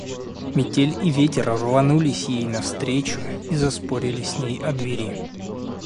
Метель и ветер рванулись ей навстречу и заспорили с ней о двери.